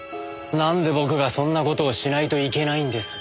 なんで僕がそんな事をしないといけないんです。